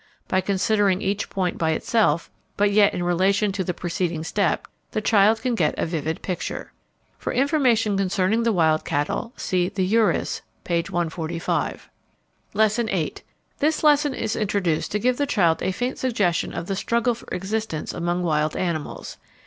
By considering each point by itself, but yet in relation to the preceding step, the child can get a vivid picture. (For information concerning the wild cattle, see The Urus, p. 145.) Lesson VIII. This lesson is introduced to give the child a faint suggestion of the struggle for existence among wild animals.